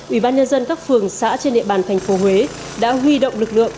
ủy ban nhân dân các phường xã trên địa bàn thành phố huế đã huy động lực lượng